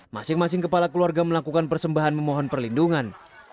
masing masing kepala keluarga melakukan persembahan memohon perlindungan